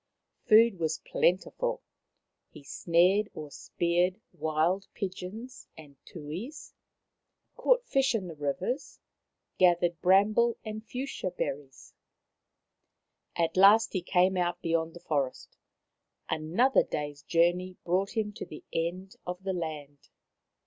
Food was plentiful. He snared or speared wild 104 Maoriland Fairy Tales pigeons and tuis, caught fish in the rivers, gathered bramble and fuchsia berries. At last he came out beyond the forest. Another day's journey brought him to the end of the land.